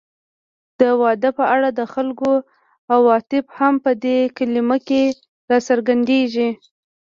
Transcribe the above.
د واده په اړه د خلکو عواطف هم په دې کلمه کې راڅرګندېږي